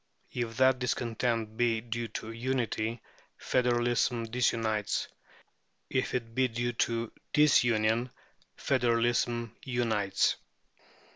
If that discontent be due to unity, federalism disunites; if it be due to disunion, federalism unites.